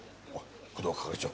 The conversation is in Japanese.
工藤係長。